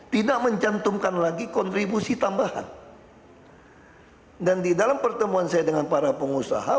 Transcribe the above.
tidak mencantumkan lagi kontribusi tambahan dan di dalam pertemuan saya dengan para pengusaha